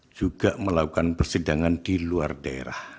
juga melakukan persidangan di luar daerah